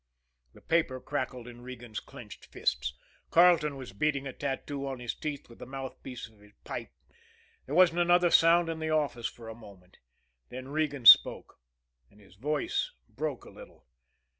The paper crackled in Regan's clenched fists; Carleton was beating a tattoo on his teeth with the mouthpiece of his pipe there wasn't another sound in the office for a moment. Then Regan spoke and his voice broke a little.